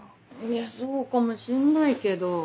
いやそうかもしんないけど。